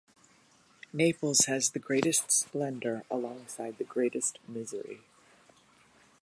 Naples has the greatest splendor alongside the greatest misery.